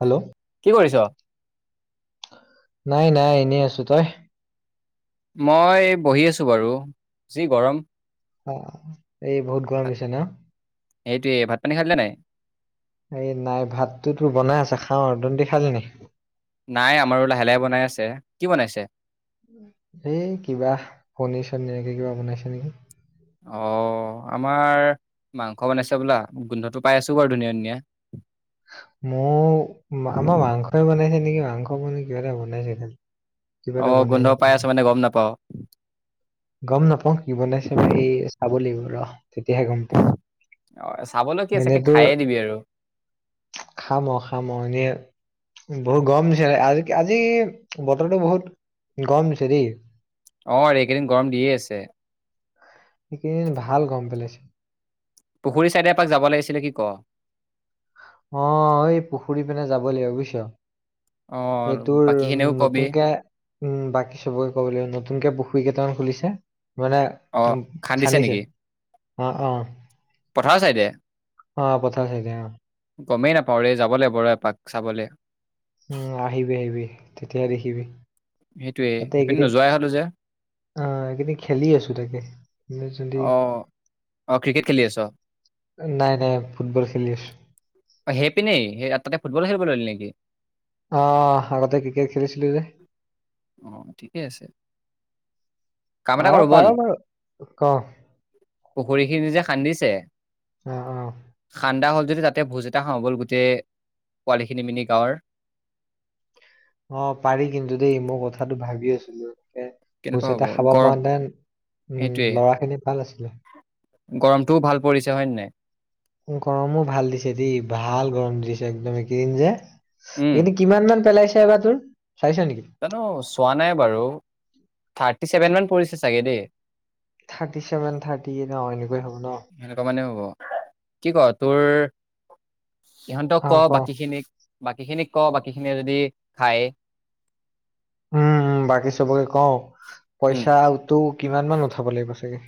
Hello কি কৰিছ? নাই, নাই এনেই আছোঁ। তই? মই এই বহি আছোঁ বাৰু, যি গৰম। অ', এই বহুত গৰম দিছে নে? এইটোৱেই, ভাত -পানী খালি নে নাই? এই নাই ভাতটো তো বনাই আছে খাওঁ আৰু, তহঁতি খালি? নাই আমাৰো লাহে লাহে বনাই আছে। কি বনাইছে? এই কিবা, পনিৰ চনিৰ এনেকে কিবা বনাইছে নেকি। অ', আমাৰ, মাংস বনাইছে হ'বলা গোন্ধটো পাই আছোঁ বাৰু ধুনীয়া, ধুনীয়া। মোৰ, আমাৰ মাংসই বনাইছে নেকি, মাংস পনীৰ কিবা এটা বনাইছে খালি। কিবা অ এটা গোন্ধ বনাইছে পাই খালি, আছো মানে গম নাপাও গম নাপাওঁ কি বনাইছে বা এই চাব লাগিব ৰহ, তেতিয়াহে গম পাম, এনেতো খাবি আৰু [inaudible] খাম আৰু, খাম আৰু এনে বহুত গৰম দিছিলে আজি কি আজি আজি বতৰটো বহুত গৰম দিছে দেই। অ', এইকেইদিন গৰম দিয়ে আছে। সেই কেইদিন ভাল গৰম পেলাইছে। পুখুৰী ছাইডে এপাক যাব লাগিছিলে কি ক? অ', এই পুখুৰী পিনে যাব লাগিব বুজিছ। অ সেইটোৰ বাকী উম' খিনিও কবি নতুনকে উম', বাকী চবকে ক'ব লাগিব, নতুনকে পুখুৰী কেইটামান খুলিছে, মানে অ উম', খান্দিছে, নেকি অ' অ' পথাৰ চাইডে অ', পথাৰৰ ছাইডে অ'। গমেই নাপাওঁ ৰে যাব লাগিব ৰ এপাক চাবলে উম আহিবি আহিবি তেতিয়া দেখিবি সেইটোয়ে তাতে সেইপিনে এইকেইদিন নোযোৱাই হলো যে অ এইখিনি খেলি আছো তাকে যদি অ অ ক্ৰিকেট খেলি আছ নাই নাই ফুটবল খেলি আছো অ সেই পিনে সেই তাতে ফুটবল খেলিব ললি নেকি অ আগতে ক্ৰিকেট খেলিছিলো যে অ ঠিকেই আছে কাম এটা আৰু পাৰ বাৰু ক পুখুৰী খিনি যে খান্দিছে অ অ খান্দা হ'ল যদি তাত তাতে ভোজ এটা খাওঁ ব'ল গোটেই পোৱালিখিনি মিলি গাঁৱৰ অ পাৰি কিন্তু দেই মই কথাটো ভাবি আছিলো খোচ কেনেকুৱা হ'ব এটা খাব গৰম পাৰাতেন উম সেইটোৱে লৰা খিনি ভাল আছিলে গৰমটোও ভাল পৰিছে হয় নে নাই গৰমো ভাল দিছে দে ভাল গৰম দিছে একদম এইকেইদিন উম যে কিমান মান পেলাইছে এবাৰ তোৰ চাইছা নেকি জানো চোৱা নাই বাৰু থাৰ্টি চেভেন মান পৰিছে চাগে দেই থাৰ্টি চেভেন থাৰ্টিেন এনেকৈয় হ'ব ন সেনেকুৱা মানেও হ'ব কি কয় তোৰ ইহঁতক ক বাকী খিনিক বাকী খিনিক ক বাকী খিনিয়ে যদি খায় উম উম বাকি চবকে কওঁ উম পইচা তো কিমান মান উঠাব লাগিব চাগে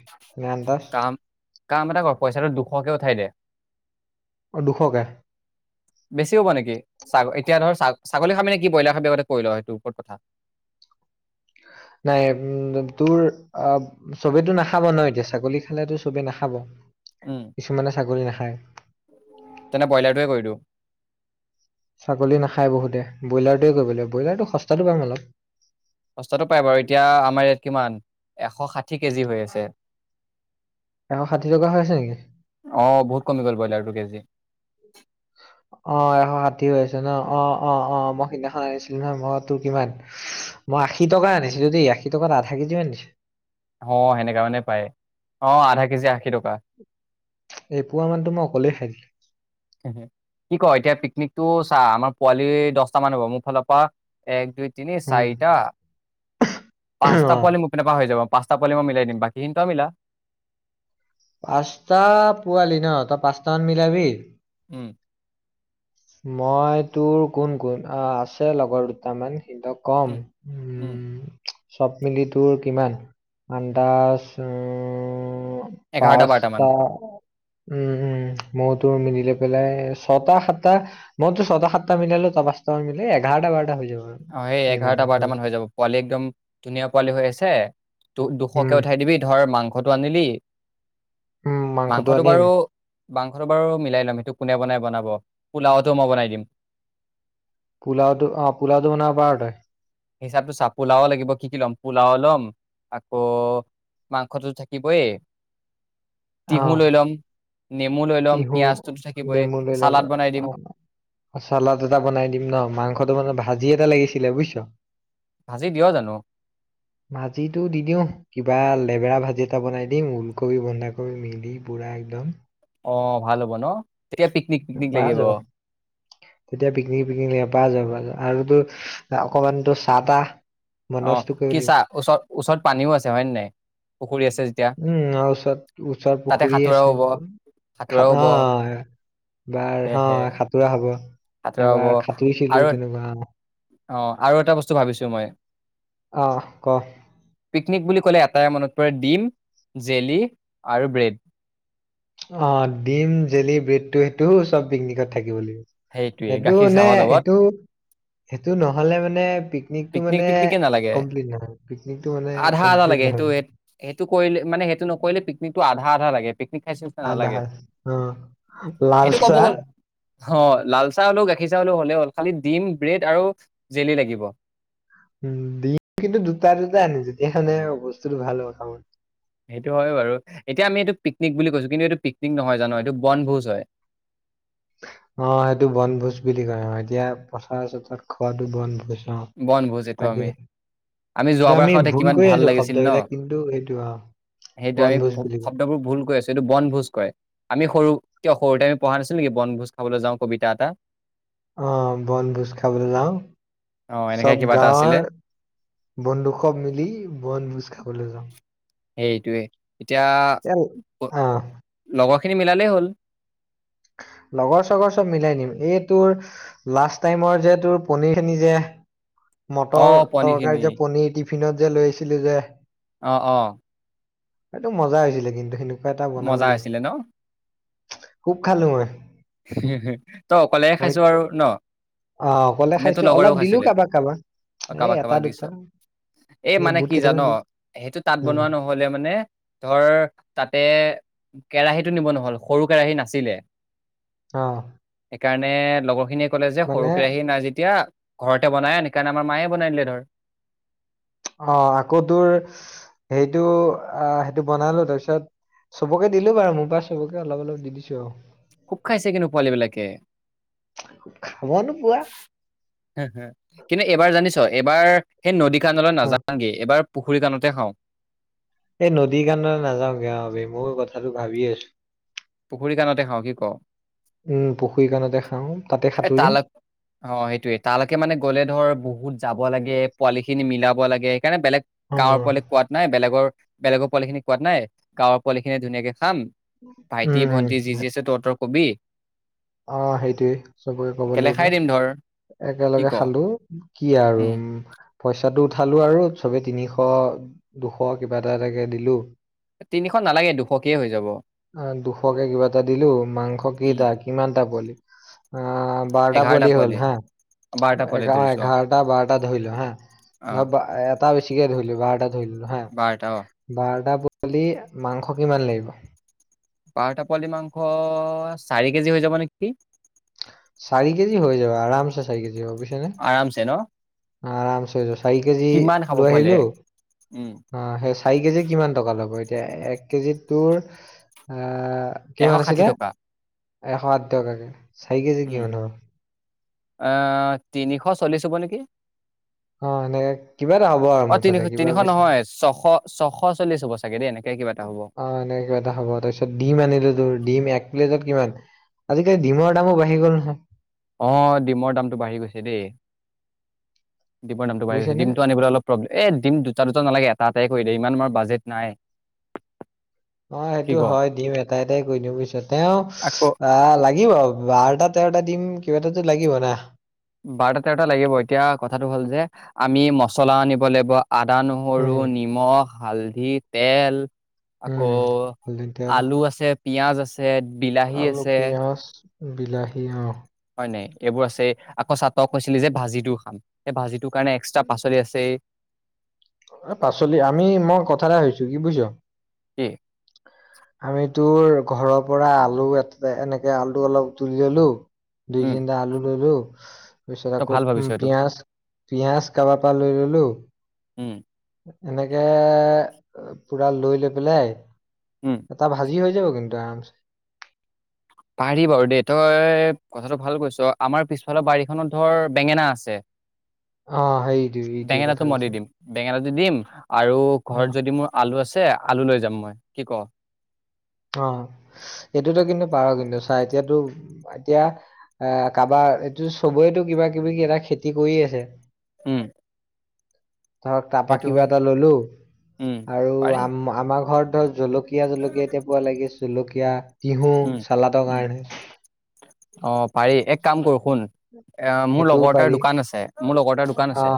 ন আন্দাজ কাম কাম এটা কৰ পইচাটো দুশকে উঠাই দে অ দুশকে বেছি হ'ব নেকি এতিয়া ধৰ ছাগলী খাবি নেকি ব্ৰলাৰ খাবি আগতে কৰি ল সেইটো ওপৰত কথা নাই উম তোৰ অ চবেতো নাখাব ন এতিয়া ছাগলী খালেতো চবেই নাখাব উম কিছুমানে ছাগলী নাখায় তেনে ব্ৰইলাৰটোৱে কৰি দিওঁ ছাগলী নাখায় বহুতে ব্ৰইলাৰটোৱে কৰিবলৈ ব্ৰইলাৰটো সস্তাটো পাম অলপ সস্তাটো পায় বাৰু এতিয়া আমাৰ ইয়াত কিমান এশ ষাঠি কেজি হৈ আছে এশ ষাঠিটকা হৈ আছে নেকি বহুত বহুত কমি গল ব্ৰইাৰটো কেজি অ এশ ষাঠি হৈ হৈছে ন অ অ অ মই সিদিনাখন আনিছিলো নহয় মই তোৰ কিমান মই আশী টকা আনিছিলো দেই আশী টকাত আধা কেজিও আনিছো অ সেনেকা মানে পায় অ আধা কেজি আশী টকা এপোৱা মানটো মই অকলেই খাই দিলো কি ক এতিয়া পিকনিক টো চা আমাৰ পোৱালি দহটা মান হব মোৰ ফালৰ পৰা এক দুই তিনি উম চাৰিটা পাঁচটা অ পোৱালী মোৰ পিনে পৰা হয় যাব পাঁচটা পোৱাল মিলাই দিম বাকীখিনি পাঁচটা পোৱালি ন তই পাঁচটামান মিলাবি ওম মই তোৰ কোন কোন আছে লগৰ দুটামান সিহতক কম উম, উম। চ'ব মিলি তোৰ কিমান, আন্দাজ উম এঘাৰটা, বাৰটা মান। পাঁচটা উম, মোৰ তোৰ মিলিলৈ পেলাই ছটা, সাত মইতো ছটা, সাতটা মিলালো, তই পচটা মান মিলে এঘাৰটা বাৰটা হৈ যাব। আৰু অ', এই সিমানে এঘাৰটা, ধৰ বাৰটামান হৈ যাব, পোৱালি একদম ধুনীয়া পোৱালি হৈ আছে। দু-দুশকে উম উঠাই দিবি, ধৰ মাংসটো আনিলি, উম মাংসটো আনিম বাৰু মাংসটো বাৰু মিলাই ল'ম, সেইটো কোনে বনাই বনাব, পোলাওতো মই বনাই দিম। পুলাওটো, অ', পুুলাওটো বনাব পাৰ তই। হিচাপটো চা পোলাও লাগিব, কি কি ল'ম? পোলাও ল'ম, আকৌ মাংসটো থাকিবই অ তিহু লৈ লম। নেমু লৈ ল'ম তিহু পিয়ঁয়াজটোতো থাকিবই নেমু লৈ ল'ব চালাদ বনাই দিম। চালাদ এটা বনাই দিম ন, মাংসটো মানে ভাজি এটা লাগিছিলে বুজিছ। ভাজি দিয় জানো? ভাজিটো দি দিও, কিবা লেবেৰা ভাজি এটা বনাই দিম, ওলকবি বন্ধা ক গৈ মিলি পুৰা একদম। অ' ভাল হ'ব ন, এতিয়া [unintelligible] [unintelligible] যাব। তেতিয়া পিকনিক পিকনিক [unintelligible] অকমানটো চাহ তাহ অ', বন্দবস্ত কৰিব লাগিব কিচা ওচৰত ওচৰত পানীও আছে হয় নাই? পুখুৰী আছে যেতিয়া, উম', ওচৰত ওচৰত তাতে পুখুৰী সাঁতোৰাও হ'ব। আছে বোৰ। সাঁতোৰা হ'ব খানা এ। সেয়েহে [unintelligible] সাঁতোৰা হ'ব, সাঁতোৰা হ'ব এবাৰ আৰু খাতুইচিলো তেনেকুৱা [inaudible] অ', আৰু এটা বস্তু ভাবিছোঁ মই। অ', ক। পিকনিক বুলি এটাই মনত পৰে ডিম, জেলি আৰু ব্ৰেড। অ', ডিম, জেলি, ব্ৰেডটো সেইটোও চ'ব পিকনিকত থাকিব লাগিব। সেইটোয়ে সেইটো গাখীৰ মানে, চাহৰ লগত এইটো, সেইটো, নহ'লে মানে পিক নিকটো পিকনিক মানে পিকনিকে নালাগে কমপ্লিট নহয়, পিনিক মানে আধা আধা কমপ্লিট লাগে সেইটো নহয়। সেইটো কৰিলে, মানে সেইটো নকৰিলে পিকনিকতটো আধা আধা লাগে। পিকনিক খাইছো নিচিনা আধা নালাগে, অ লাল এইটো ক'ব চাহ গ'ল অ', লাল চাহ হ'লেও, গাখীৰ চাহ হলেও হ'লে হ'ল, খালি ডিম, ব্ৰেড আৰু জেলি লাগিব। দিম, কিন্তু দুটা দুটা আনিব তেতিয়া মানে বস্তুতটো ভাল হ'ব খাবলে। সেইটো হয়ে বাৰু। এতিয়া আমি এইটো পিকনিক বুলি কৈছো, কিন্তু এইটো পিকনিক নহয় জান, এইটো বনভোজ হয়। অ', এইটো বুলি কয় অ', এতিয়া পথাত-চথাৰত খোৱাাতটো বনভোজ। অ বনভোজ এইটো তাকে আমি। আমি এইটো যোৱাবাৰ খাওঁতে ভুল কিমান কৰি ভাল আছো লাগিছিল ন? শব্দবিলাক কিন্তু সেইটো অ সেইটো আমি বনভোজ বুলি কয় শব্দবোৰ ভুল কৰি আছো এইটো বনভোজ। কয়। আমি সৰু, কিয় সৰুতে আমি পঢ়া নাছিলো নেকি বনভোজ খাবলৈ যাওঁ কবিতা এটা। অ', বনভোজ খাবলৈ যাওঁ, অ এনেকে চ'ব কিবা এটা আছিলে গাঁৱৰ বন্ধুসৱ মিলি বনভোজ খাবলৈ যাওঁ। সেইটোৱেই, এতিয়া এ প- অ লগৰখিনি মিলালেই হ'ল। লগৰ-চগৰ চ'ব মিলাই নিম, এই তোৰ লাষ্ট টাইমৰ যে তোৰ পনিৰ খিনি যে। অ মটৰ পোৱালি খিনি তৰকাৰী যে পনিৰ টিফিনত যে লৈ আহিছিলি যে। অ', অ'। সেইটো মজা হৈছিলে কিন্তু হ'লেও। মোজা হৈছিলে ন'। খুব খালো মই। তই অকলেহে আমি খাইছো আৰু ন'? অ', অকলে নে তোৰ খাইছো অলপ লগৰেও দিলো খাইছিলে কাৰোবাক কাৰোবাক এ' কাৰোবাক এটা দিছ দুটা। এই এনে মানে বুট কি জান, কেইটামান দি সেইটো তাঁত উম বনোৱা নহয়। হ'লে মানে ধৰ তাতে কেৰাহীতটো নিব নহ'ল সৰু কেৰাহী নাছিলে। অ',। সেইকাৰণে লগৰ খিনিয়ে কলে যে মানে সৰু কেৰাহী নাই যেতিয়া ঘৰতে বনাই আন সেইকাৰণে আমাৰ মাই বনাই দিলে ধৰ। অ', আকৌ তোৰ সেইটো অ' সেইটো বনালো তাৰপিছত চবকে দিলো বাৰু মোৰ পৰা চবকে অলপ অলপ দি দিছো আৰু। খুব খাইছে কিন্তু পোৱালী বিলাকে। খাবনো পুৱা কিন্তু এইবাৰ জানিছ, এইবাৰ সেই নদী খনলৈ অ নাযাওঁ নেকি এইবাৰ পুখুৰী কানতে খাওঁ। এই নদীৰ কাণলৈ নাযাওঁগে মোৰ কথাটো ভাবি আছো। পুখুৰী কাণতে খাওঁ কি ক'? উম', পুখুৰী কণতে খাওঁ তাতে এ তালৈ সাঁতুৰিম। অ', সেইটোয়ে তালৈকে মানে গলে ধৰ বহুত যাব লাগে, পোৱালি খিনি মিলাব লাগে সেইকাৰণে বেলেগ অ গাঁৱৰ পোৱালি কোৱাত নাই, বেলেগৰ পোৱালি খিনি কোৱাত নাই, গাঁৱৰ পোৱালি খিনিয়ে ধুনীয়াকে ভাইটি, ভণ্টি যি উম যি আছে তহতোৰ কবি। অ', সেইটোৱে চবকে ক'ব একেলগে লাগিব। খাই দিম ধৰ কি একেলগে ক? খালো কি আৰু উম',। পইচাটো উঠালো আৰু চবে তিনিশ দুশ কিবা এটা এটাকে দিলো। তিনিশ নালাগে দুশকেই হৈ যাব। আহ দুশকে কিবা এটা দিলো, মাংস উম, কেটা কিমানটা পোৱালী অ'। বাৰটা পোৱালি হ'ল হা, বাৰটা পোৱালি এঘ- ধৰিছো অ', এঘাৰটা বাৰটা ধৰিলো হা। অ', ধব এটা বেছিকে ধুইলো বাৰটা ধুই লো হা, বাৰটা অ', বাৰটা পোৱালি মাংস কিমান লাগিব? বাৰটা পোৱলি মাংস চাৰি কেজি হৈ যাব নেকি? চাৰি কেজি হৈ যাব, আৰামচে চাৰি কেজি হ'ব বুজিছনে। আৰামছে ন'। চাৰি কেজি কিমান খাব লৈ আহিলো। পোৱালিয়ে উম, অ', সেই চাৰি কেজি টকা ল'ব? এক কেজিত তোৰ আহ' এশ কিমান ষাঠি আছিলে টকা এশ আঠ টকাকে চাৰি কেজি কিমান হ'ব? অ', তিনিশ চল্লিশ হ'ব নেকি? অ সেনেকে কিবা এটা হ'ব আৰু অ', মুঠতে তিনিশ- কিবা তিনিশ বেছি নহয়, ছশ- ছশ চল্লিশ হ'ব চাগে দেই এনেকে কিবা এটা হ'ব। অ', নাই। কিবা এটা হ'ব তাৰপিছত, ডিম আনিলো তোৰ ডিম এক প্লেটত কিমান? আজিকালি ডিমৰ দামো বাঢ়ি গ'ল নহয়। অ', ডিমৰ দামটো বাঢ়ি গৈছে দেই, ডিমৰ দামটো বাঢ়ি গৈছে বুজিছনে ডিমটো আনিবলৈ অলপ ব্লেম এই দিম দুটা দুটা নালাগে, এটা এটাই কৰি দিয় ইমান আমাৰ বাজেট নাই। অ', কি সেইটো ক হয় দিম এটাই এটাই কৰি দিওঁ বুজিছ, তেওঁ আকৌ আহ লাগিব বাৰ আটা তেৰটা দিম কিবা এটাতো লাগিব না। বাৰটা তেৰটা লাগিব এতিয়া কথাটো হ'ল যে, আমি মছলা আনিব লাগিব। আদা, নহৰু, উম নিমখ, হালধি, তেল আকৌ উম হালধিতেল আলু আছে, পিয়াজ আছে, বিলাহী আলু আছে। পিয়াজ বিলাহী আৰু হয় নাই এইবোৰ আছে আকৌ চাতুৱা খোৱাইছিল যে ভাজিটোও খাম। সেই ভাজিটোৰ কাৰণে এক্সট্ৰা পাচলি আছে। অ', পাচলি আমি মই কথা এটা সুধিছোঁ কি বুজিছ? কি‌? আমি তোৰ ঘৰৰ পৰা আলু এ এনেকে আলুটো অলপ তুলি ললো। দুই উম তিনিটা আলু ললো তাৰ পিছত তই ভাল আকৌ ভাবিছ এইটো পিয়াজ পিঁয়াজ কাৰোবাৰ পৰা লৈ ল'লোঁ। উম এনেকে পুৰা লৈ লৈ পেলায়। উম। এটা ভাজি হৈ যাব কিন্তু আৰামছে। পাৰি বাৰু দেই তই কথাটো ভাল কৈছ আমাৰ পিছফালৰ বাৰীখনত ধৰ বেঙেনা আছে। অ সেইটো সেইটোৱে কথা বেঙেনাটো মই দি কৈছো দিম বেঙেনাটো দিম আৰু অ ঘৰত যদি মোৰ আলু আছে আলু লৈ যাম মই কি ক। অ', এইটোতো কিন্তু পাৰ কিন্তু চা এতিয়াতো এতিয়া এ কাৰবাৰ চবৰেটো কিবা কিবি কি এটা খেতি কৰিয়েই আছে। উম। ধৰক তাৰপৰা সেইটো কিবা হয়। এটা ললোঁ উম, আৰু পাৰি আম আমাৰ ঘৰত ধৰ জলকীয়া জকীয়া জলকীয়া এতিয়া পোৱা লাগি জলকীয়া তিহু উম, চালদৰ উম, কাৰণে। অ', পাৰি এক কাম কৰো শুন এ মোৰ সেইটোও লগৰ এটাৰ পাৰি দোকান আছে মোৰ লগৰ এটাৰ দোকান অ আছে।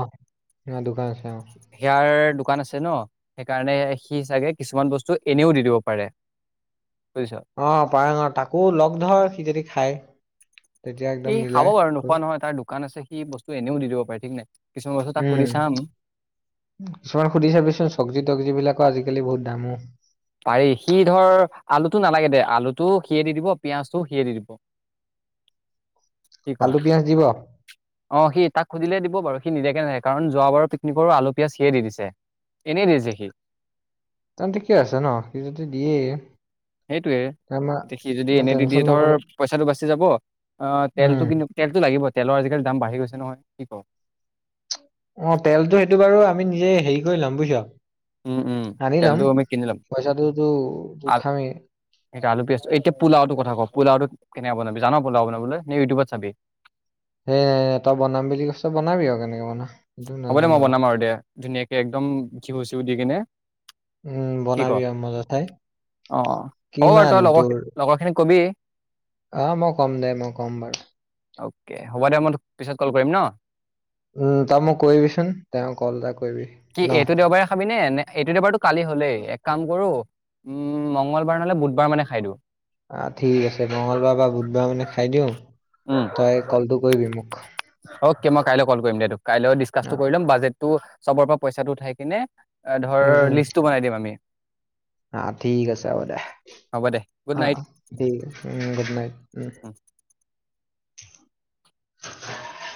অ দোকান আছে অ হিয়াৰ দোকান আছে ন সেইকাৰণে সি চাগে কিছুমান বস্তু এনেও দি দিব পাৰে। বুজিছ। অ', পায়ঙ তাকো লগ ধৰ সি যদি খায়। তেতিয়া একদম এই খাব মিলাই বাৰু কৰি। নোখোৱা নহয় তাৰ দোকান আছে সি বস্তু এনেও দি দিব পাৰে ঠিক নাই কিছুমান বস্তু তাক সুধি উম চাম। কিছুমান সুধি চাবিচোন চব্জি তব্জি বিলাকৰো আজিকালি বহুত দামো। পাৰি সি ধৰ আলুটো নালাগে দে আলুটো সিয়ে দি দিব পিয়ঁয়াজটোও সিয়ে দি দিব। [unintelligible] কি কও? পিয়াজ দিব অ', সি তাক সুধিলে দিব বাৰু সি নিদিয়াকে নেথাকে কাৰণ যোৱ বাৰৰো পিকনিকৰ আলু পিয়াঁজ সিয়েই দি দিছে। এনেই দিছে সি। তেন্তে ঠিকেই আছে ন সি যদি দিয়েই। সেইটোৱে এতিয়া সি যদি এনে দি দিয়ে টেনচন ল'ব ধৰ পইচাটো বাচি যাব তেলটো উম কিন্তু তেলটো লাগিব তেলৰ আজিকালি বাঢ়ি গৈছে নহয় কি কওঁ। অ', তেলতো সেইটো বাৰু আমি নিজে হেৰি কৰি লম বুজিছ। উম উম আনি তেলটো লম আমি কিনি ল'ম পইচাটোত আ উঠামে। আলু পিঁয়াজ এতিয়া পোলাও টোৰ কথা ক পোলাও কেনে বনাবি জান পোলাও নাবলৈ নে ইউটিউবত চাবি? সেই তই বনাম বুলি কৈছ বনাবি আৰু কেনেকে বনাবি। হ'ব দে মই বনাম আৰু দে ধুনীয়াকে একদম ঘিউছো দি কিনে। কি ক [inaudible] অ', হ'ব বাৰু কিমান তই লগ তোৰ লগৰ খিনিক কবি। অ', মই ক'ম দে মই ক'ম বাৰু। অকে হ'ব দে মই তোক পিছত কল কৰিম ন। উম ত মোক কিচোন তেওঁ কল এটা কৰিবি। কি ন এইটো দেওবাৰে খাবিনে নে এইটো দেওবাৰতটো কালি হলেই এক কাম কৰোঁ উম' মংগলবাৰ নহ'লে বুধবাৰ মানে খাই দিওঁ। আহ ঠিক আছে মঙলবাৰ বা বুধবাৰ মানে খাই দিওঁ উম তই কলটো কৰিবি মোক। অকে মই কাইলে কল কৰিম দে কাইলৈ অ, ডিচকাচটো কৰি লম বাজেটটো চবৰ পৰা পইচাটো উঠাই কিনে- এ ধৰ লিষ্টটো বনাই দিম আমি। অঁ, ঠিক আছে হ'ব দে, হ'ব দে গুড অঁ নাইট ঠিক উম গুড নাইট উম।